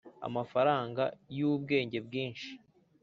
amafaranga yubwenge bwinshi